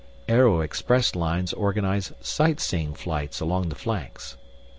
Aero expresslines organized sightseeing flights along the flanks.